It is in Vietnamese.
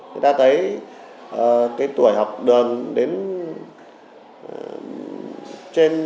chúng ta thấy tuổi học đường đến trên năm mươi